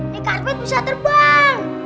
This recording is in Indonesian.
ini karpet bisa terbang